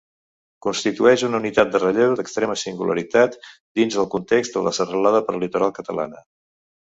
Constitueix una unitat de relleu d'extrema singularitat dins el context de la serralada prelitoral catalana.